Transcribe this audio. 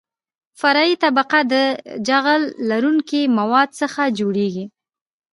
فرعي طبقه د جغل لرونکو موادو څخه جوړیږي